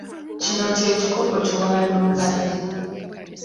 Kino kye kikopo kye wabadde ompadde.